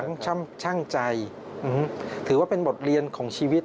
นี่ไงเป็นบทเรียนของชีวิต